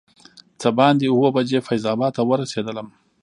څه باندې اووه بجې فیض اباد ته ورسېدو.